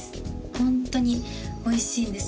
ホントにおいしいんです